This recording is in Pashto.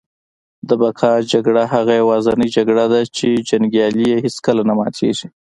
د بقا جګړه هغه یوازینۍ جګړه ده چي جنګیالي یې هیڅکله نه ماتیږي